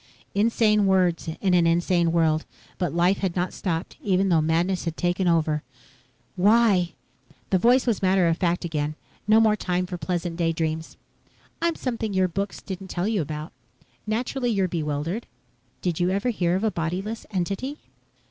Insane words in an insane world. But life had not stopped even though madness had taken over. "Why?" The voice was matter of fact again. No more time for pleasant daydreams. "I'm something your books didn't tell you about. Naturally you're bewildered. Did you ever hear of a bodyless entity?"